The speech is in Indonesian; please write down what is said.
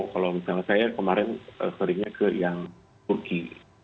kalau misalnya saya kemarin sorrynya ke yang turki